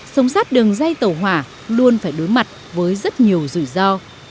sống sát đường dây tàu hỏa luôn phải đối mặt với rất nhiều rủi ro